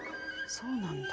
そうなんだ。